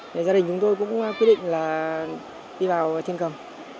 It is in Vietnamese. thì gia đình chúng tôi cũng quyết định là đi vào trên cầm